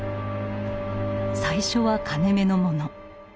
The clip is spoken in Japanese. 最初は金めのもの。